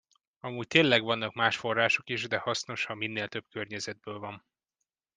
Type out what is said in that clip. Amúgy tényleg vannak más források is, de hasznos, ha minnél több környezetből van.